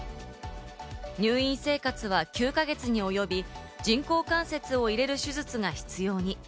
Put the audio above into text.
入院生活は９か月に及び、人工関節を入れる手術が必要に。